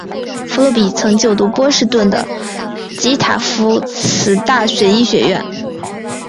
费洛比曾就读波士顿的及塔夫茨大学医学院。